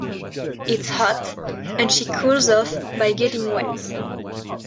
It's hot, and she cools off by getting wet.